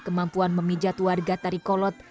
kemampuan memijat warga tarikolot